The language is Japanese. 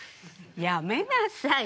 やめなさい。